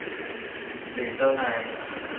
หรือเจ้านาย